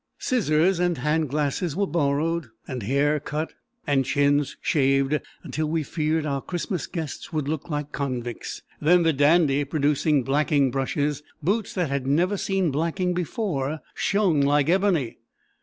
Scissors and hand glasses were borrowed, and hair cut, and chins shaved, until we feared our Christmas guests would look like convicts. Then the Dandy producing blacking brushes, boots that had never seen blacking before, shone like ebony.